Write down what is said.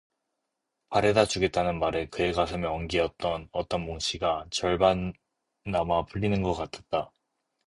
바래다 주겠다는 말에 그의 가슴에 엉기었던 어떤 뭉치가 절반나마 풀리는 것 같았다.